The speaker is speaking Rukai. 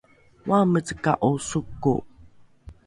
oameceka’o soko?